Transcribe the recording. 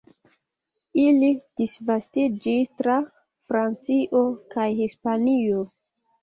Ili disvastiĝis tra Francio kaj Hispanio.